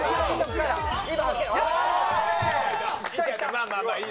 まあまあまあいいね。